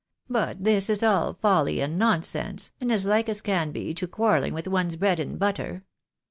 But this is all folly and nonsense, and as like as can be to quarrelling with one's bread and butter.